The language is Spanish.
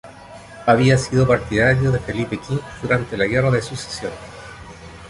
Había sido partidario de Felipe V durante la Guerra de Sucesión.